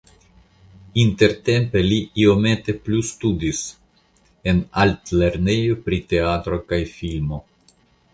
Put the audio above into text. Intertempe li iomete plustudis en Altlernejo pri Teatro kaj Filmo.